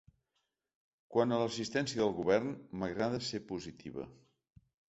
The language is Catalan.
Quant a l’assistència del govern, m’agrada ser positiva.